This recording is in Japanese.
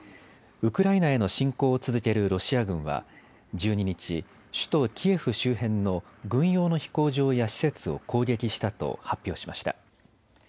ウクライナへの侵攻を続けるロシア軍は１２日、首都キエフ周辺の軍用の飛行場や施設を攻撃したと発表しました。